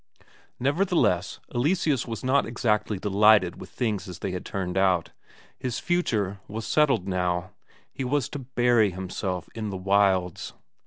Nevertheless, Eleseus was not exactly delighted with things as they had turned out his future was settled now, he was to bury himself in the wilds.